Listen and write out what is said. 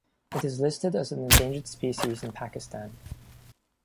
It is listed as an endangered species in Pakistan.